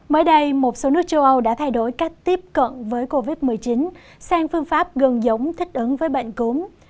mới đây một số nước châu âu đã thay đổi cách tiếp cận với covid một mươi chín sang phương pháp gần giống thích ứng với bệnh cúm